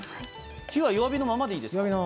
火は弱火のままでいいですか？